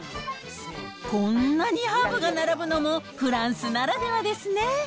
こんなにハーブが並ぶのもフランスならではですね。